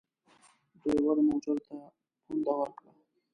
ډریور موټر ته پونده ورکړه.